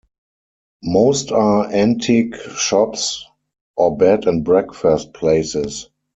Most are antique shops or bed and breakfast places.